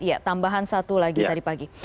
iya tambahan satu lagi tadi pagi